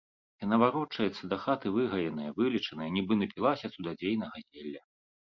Яна варочаецца да хаты выгаеная, вылечаная, нібы напілася цудадзейнага зелля.